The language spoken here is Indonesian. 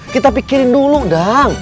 kita pikirin dulu dang